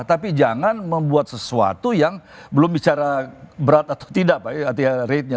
tapi jangan membuat sesuatu yang belum bicara berat atau tidak pak ratenya